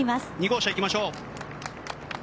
２号車、いきましょう。